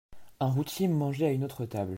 Un routier mangeait à une autre table.